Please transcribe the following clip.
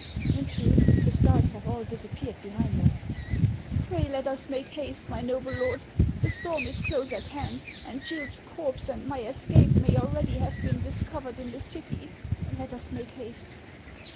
" In truth, the stars have all disappeared behind us." " Pray let us make haste, my noble lord, the storm is close at hand, and Gill's corpse and my escape may already have been discovered in the city. Let us make haste